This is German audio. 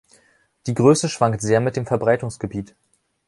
Die Größe schwankt sehr mit dem Verbreitungsgebiet.